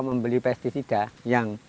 membeli pesticida yang